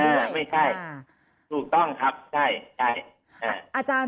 ไม่ใช่ถูกต้องครับใช่